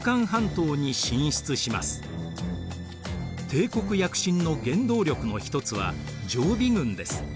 帝国躍進の原動力の一つは常備軍です。